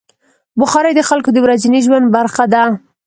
بخاري د خلکو د ورځني ژوند برخه ده.